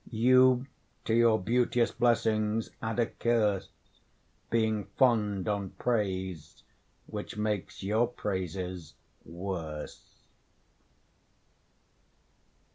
You to your beauteous blessings add a curse, Being fond on praise, which makes your praises worse.